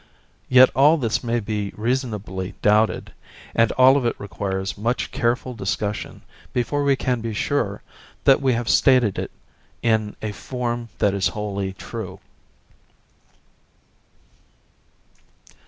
Yet all this may be reasonably doubted, and all of it requires much careful discussion before we can be sure that we have stated it in a form that is wholly true.